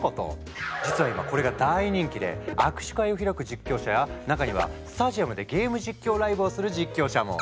実は今これが大人気で握手会を開く実況者や中にはスタジアムでゲーム実況ライブをする実況者も。